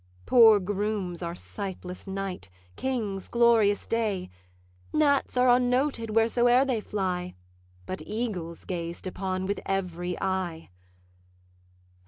Poor grooms are sightless night, kings glorious day: Gnats are unnoted wheresoe'er they fly, But eagles gazed upon with every eye.